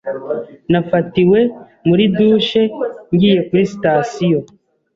Nafatiwe muri douche ngiye kuri sitasiyo.